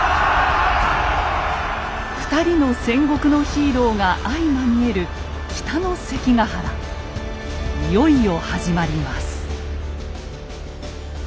２人の戦国のヒーローが相まみえるいよいよ始まります。